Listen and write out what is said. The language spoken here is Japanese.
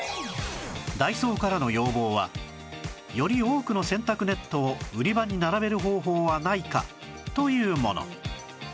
ダイソーからの要望は「より多くの洗濯ネットを売り場に並べる方法はないか？」というもの